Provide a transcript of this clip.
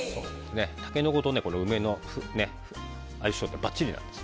タケノコと梅の相性ってばっちりです。